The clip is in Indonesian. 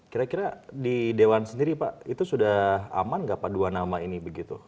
kira kira di dewan sendiri pak itu sudah aman nggak pak dua nama ini begitu